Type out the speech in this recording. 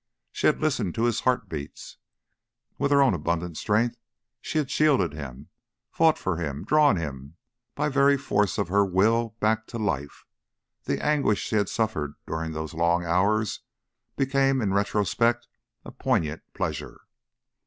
She had listened to his heartbeats; with her own abundant strength she had shielded him, fought for him, drawn him, by very force of her will, back to life; the anguish she had suffered during those long hours became, in retrospect, a poignant pleasure.